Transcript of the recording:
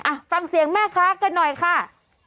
อ่ะฟังเสียงแม่ค้ากันหน่อยค่ะ